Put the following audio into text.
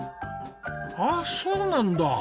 あっそうなんだ。